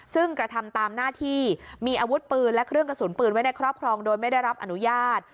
ซึ่งกระทำตามหน้าที่มีอาวุธปืนและเครื่องกระสุนปืนไว้ในครอบครองโดยไม่ได้รับอนุญาต